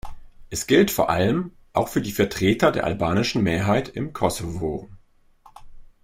Es gilt vor allem auch für die Vertreter der albanischen Mehrheit im Kosovo.